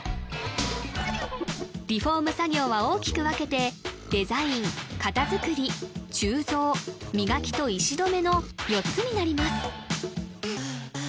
リフォーム作業は大きく分けてデザイン型作り鋳造磨きと石留めの４つになります